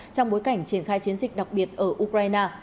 trong bối cảnh triển khai chiến dịch đặc biệt ở ukraine